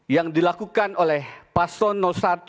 yang dilakukan oleh paslon satu